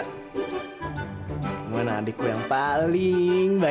kamu anak adikku yang paling baik